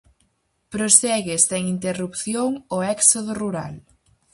Prosegue sen interrupción o éxodo rural.